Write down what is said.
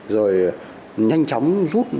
rồi nhanh chóng rút